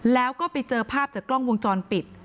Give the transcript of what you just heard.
แล้วก็ไปเจอภาพจากกล้องวงจรปิด